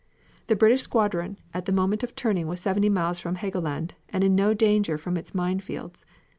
The British squadron at the moment of turning was seventy miles from Helgoland, and in no danger from its mine fields.